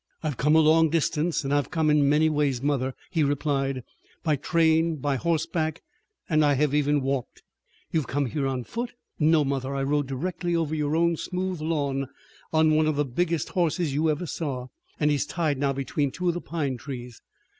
"I've come a long distance, and I've come in many ways, mother," he replied, "by train, by horseback, and I have even walked." "You have come here on foot?" "No, mother. I rode directly over your own smooth lawn on one of the biggest horses you ever saw, and he's tied now between two of the pine trees.